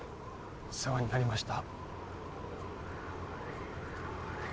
お世話になりました。